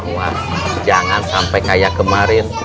wah jangan sampai kayak kemarin